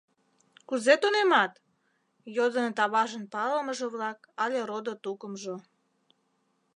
— Кузе тунемат? — йодыныт аважын палымыже-влак але родо-тукымжо.